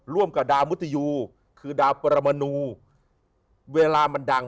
กับดาวมุติยูคือดาวปรมนูเวลามันดัง